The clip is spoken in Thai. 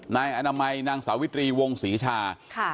นายอนามัยนางสาวิตรีวงศรีชา